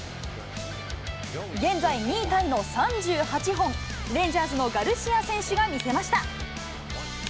現在、２位タイの３８本、レンジャースのガルシア選手が見せました。